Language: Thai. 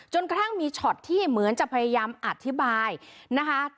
กระทั่งมีช็อตที่เหมือนจะพยายามอธิบายนะคะ